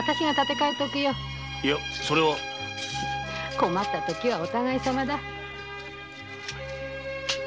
困った時はお互いさまだ。